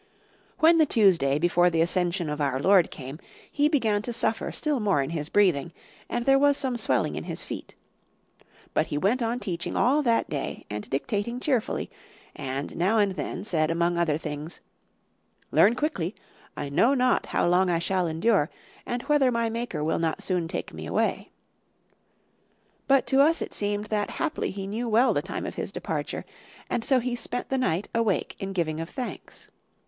"When the Tuesday before the Ascension of our Lord came, he began to suffer still more in his breathing, and there was some swelling in his feet. But he went on teaching all that day and dictating cheerfully, and now and then said among other things, 'Learn quickly, I know not how long I shall endure, and whether my Maker will not soon take me away.' But to us it seemed that haply he knew well the time of his departure; and so he spent the night, awake, in giving of thanks.